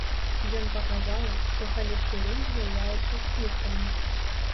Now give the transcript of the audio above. Ён паказаў, што халестэрын з'яўляецца спіртам.